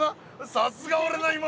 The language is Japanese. さすが俺の妹！